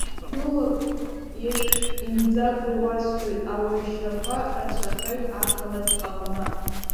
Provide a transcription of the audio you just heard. Гәылак иеиԥш, имӡакәа иуасҳәоит, ауаҩшьрақәа рацәахеит ақалақь аҟны.